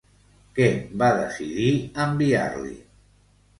Què va decidir enviar-li?